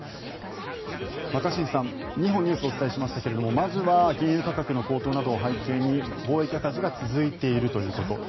若新さん、２本のニュースをお伝えしましたけれどまずは原油価格の高騰などを背景に貿易赤字が続いてるということ。